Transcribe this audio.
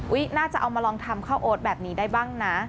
น่าจะเอามาลองทำข้าวโอ๊ตแบบนี้ได้บ้างนะ